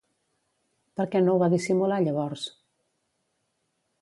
Per què no ho va dissimular llavors?